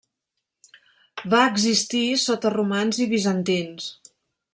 Va existir sota romans i bizantins.